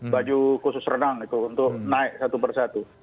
baju khusus renang itu untuk naik satu persatu